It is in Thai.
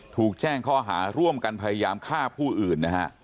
ถูกแจ้งข้อหาร่วมกันพยายามฆ่าผู้อื่นนะฮะ